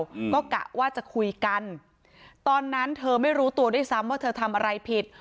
อืมก็กะว่าจะคุยกันตอนนั้นเธอไม่รู้ตัวด้วยซ้ำว่าเธอทำอะไรผิด